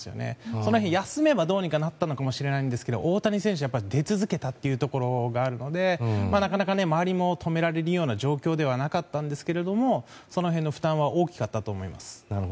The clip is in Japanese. その日休めばどうにかなったのかもしれないですけど大谷選手は出続けたというところがあるのでなかなか周りも止められるような状況ではなかったんですがその辺の負担は大きかったと思います。